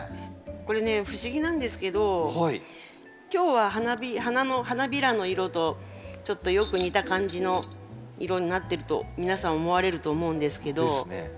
これね不思議なんですけど今日は花びらの色とちょっとよく似た感じの色になってると皆さん思われると思うんですけど。ですね。